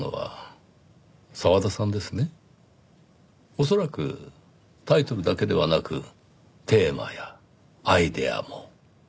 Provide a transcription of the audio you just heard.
恐らくタイトルだけではなくテーマやアイデアも。